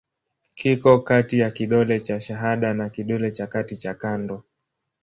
Kiko kati ya kidole cha shahada na kidole cha kati cha kando.